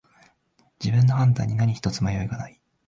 自分の判断に何ひとつ迷いがない